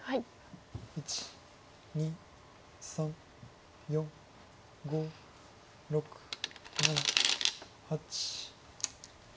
１２３４５６７８。